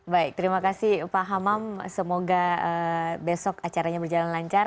baik terima kasih pak hamam semoga besok acaranya berjalan lancar